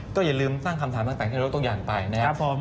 ก็อย่าลืมตั้งคำถามต่างที่เรายกตัวอย่างไปนะครับ